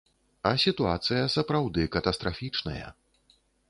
А сітуацыя сапраўды катастрафічная.